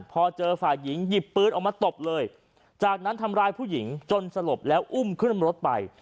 พอเจอฝ่ายหญิงหยิบปืนออกมาตบเลยจากนั้นทำร้ายผู้หญิงจนสลบแล้วอุ้มขึ้นรถไป